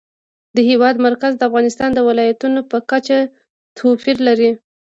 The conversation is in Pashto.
د هېواد مرکز د افغانستان د ولایاتو په کچه توپیر لري.